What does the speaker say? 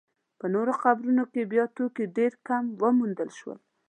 په نورو قبرونو کې بیا توکي ډېر کم وموندل شول.